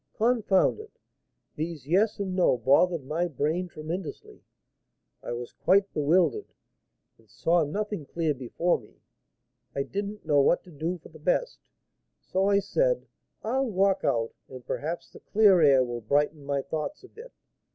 Confound it! these yes and no bothered my brain tremendously. I was quite bewildered, and saw nothing clear before me. I didn't know what to do for the best, so I said, 'I'll walk out, and perhaps the clear air will brighten my thoughts a bit.'